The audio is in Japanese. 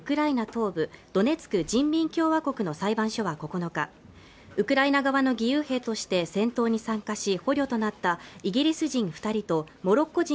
東部ドネツク人民共和国の裁判所は９日ウクライナ側の義勇兵として戦闘に参加し捕虜となったイギリス人二人とモロッコ人